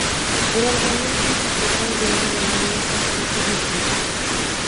ئورالغاندىن كىيىن تاقىلىدىغان گۈلنىڭ رەڭگىنى ماسلاشتۇرۇشنى ئۇنتۇماڭ.